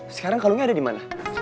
sekarang kalungnya ada dimana